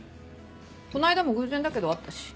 この間も偶然だけど会ったし。